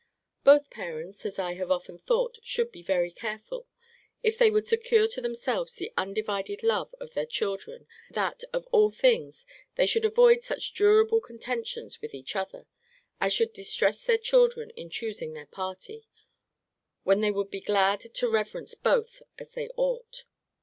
Both parents, as I have often thought, should be very careful, if they would secure to themselves the undivided love of their children, that, of all things, they should avoid such durable contentions with each other, as should distress their children in choosing their party, when they would be glad to reverence both as they ought.